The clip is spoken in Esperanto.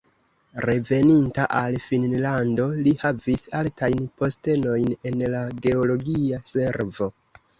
Reveninta al Finnlando li havis altajn postenojn en la geologia servo.